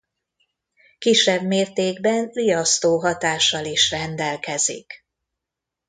Kisebb mértékben riasztó hatással is rendelkezik.